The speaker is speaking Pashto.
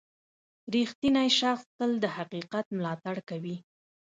• رښتینی شخص تل د حقیقت ملاتړ کوي.